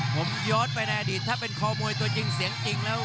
ผมย้อนไปในอดีตถ้าเป็นคอมวยตัวจริงเสียงจริงแล้ว